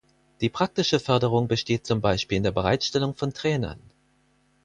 Die praktische Förderung besteht zum Beispiel in der Bereitstellung von Trainern.